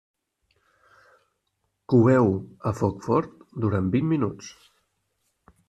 Coeu-ho a foc fort durant vint minuts.